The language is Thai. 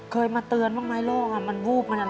เคยมาเตือนบ้างไหมโรคมันวูบมันอะไร